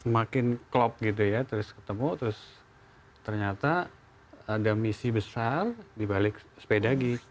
makin klop gitu ya terus ketemu terus ternyata ada misi besar dibalik sepedagi